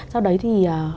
sau đấy thì